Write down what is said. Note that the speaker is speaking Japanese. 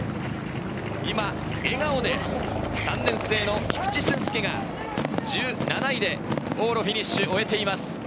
今、笑顔で３年生の菊地駿介が１７位で往路をフィニッシュしています。